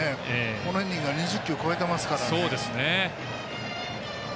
このイニング２０球超えてますからね。